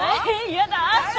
嫌だ。